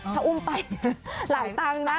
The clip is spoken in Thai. ถ้าอุ้มไปหลายตังค์นะ